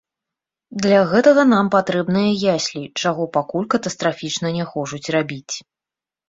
Для гэтага нам патрэбныя яслі, чаго пакуль катастрафічна не хочуць рабіць.